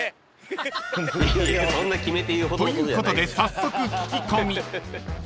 ［ということで早速聞き込み］